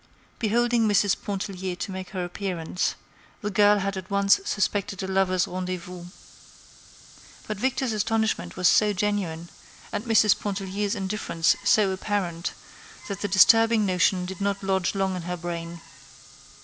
Beholding Mrs. Pontellier make her appearance, the girl had at once suspected a lovers' rendezvous. But Victor's astonishment was so genuine, and Mrs. Pontellier's indifference so apparent, that the disturbing notion did not lodge long in her brain.